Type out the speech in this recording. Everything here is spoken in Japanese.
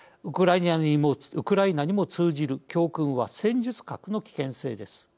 ウクライナにも通じる教訓は戦術核の危険性です。